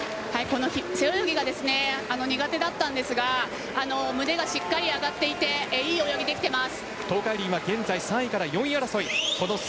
背泳ぎが苦手だったんですが腕がしっかり上がっていていい泳ぎができています。